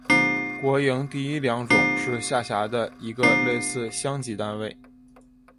国营第一良种是下辖的一个类似乡级单位。